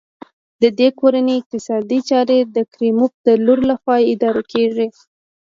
د دې کورنۍ اقتصادي چارې د کریموف د لور لخوا اداره کېږي.